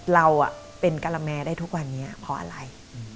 เราเป็นกะละแมได้ทุกวันนี้เพราะอะไร